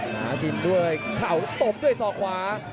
หาดินด้วยเข่าตบด้วยศอกขวา